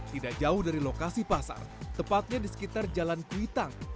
tidak jauh dari lokasi pasar tepatnya di sekitar jalan kuitang